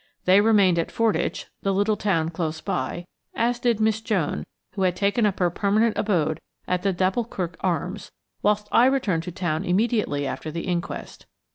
They remained at Fordwych (the little town close by), as did Miss Joan, who had taken up her permanent abode at the d'Alboukirk Arms, whilst I returned to town immediately after the inquest.